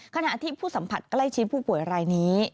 ขณะที่ผู้สัมผัสใกล้ชิดผู้ป่วยรายนี้